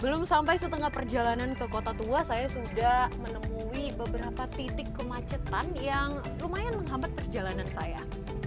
belum sampai setengah perjalanan ke kota tua saya sudah menemui beberapa titik kemacetan yang lumayan menghambat perjalanan saya